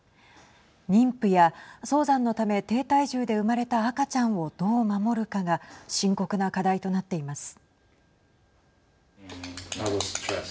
妊婦や早産のため低体重で生まれた赤ちゃんをどう守るかが深刻な課題となっています。